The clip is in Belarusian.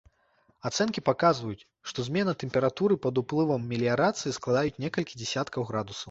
Ацэнкі паказваюць, што змена тэмпературы пад уплывам меліярацыі складаюць некалькі дзясяткаў градусаў.